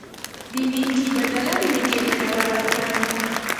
د نیکۍ بدله د نیکۍ په ډول ورکړه.